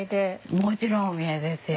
もちろんお見合いですよ。